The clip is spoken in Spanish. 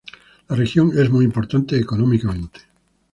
La región es muy importante económicamente.